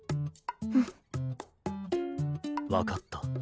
うん。分かった。